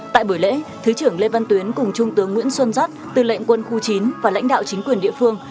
tại buổi lễ thứ trưởng lê văn tuyến cùng trung tướng nguyễn xuân giáp tư lệnh quân khu chín và lãnh đạo chính quyền địa phương